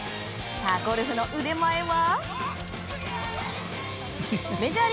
ゴルフの腕前は？